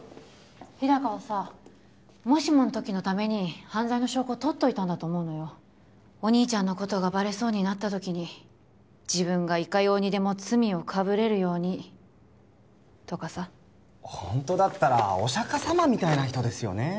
日高はさもしものときのために犯罪の証拠を取っといたんだと思うのよお兄ちゃんのことがバレそうになったときに自分がいかようにでも罪をかぶれるようにとかさホントだったらお釈迦様みたいな人ですよね